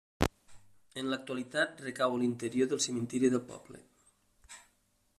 En l'actualitat recau a l'interior del cementiri del poble.